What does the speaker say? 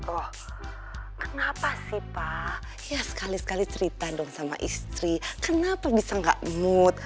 oh kenapa sih pak ya sekali sekali cerita dong sama istri kenapa bisa nggak mood